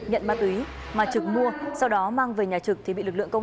nhận ma túy mà trực mua sau đó mang về nhà trực thì bị lực lượng công an